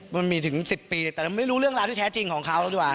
มันมีถึง๑๐ปีแต่เราไม่รู้เรื่องราวที่แท้จริงของเขาแล้วดีกว่า